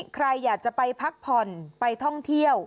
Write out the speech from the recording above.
ใครอยากจะไปพักผ่อนไปท่องเที่ยว